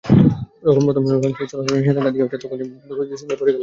যখন শুনলাম লঞ্চটির চলাচলে নিষেধাজ্ঞা দেওয়া হয়েছে, তখন থেকে দুশ্চিন্তায় আছি।